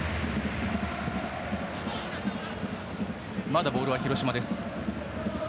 まだボールは広島です。